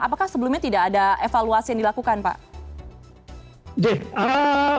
apakah sebelumnya tidak ada evaluasi yang dilakukan pak